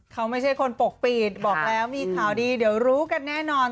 เขาไม่ใช่คนปกปิดบอกแล้วมีข่าวดีเดี๋ยวรู้กันแน่นอน